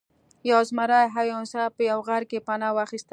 یو زمری او یو انسان په یوه غار کې پناه واخیسته.